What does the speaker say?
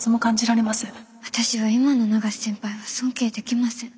私は今の永瀬先輩は尊敬できません。